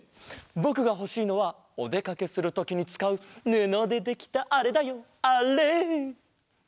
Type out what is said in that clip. ぼくがほしいのはおでかけするときにつかうぬのでできたあれだよあれ。